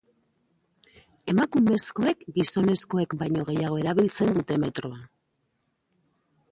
Emakumezkoek gizonezkoek baino gehiago erabiltzen dute metroa.